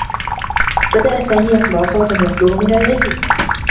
بدأ سامي يسمع صوتا يصدر من العلّيّة.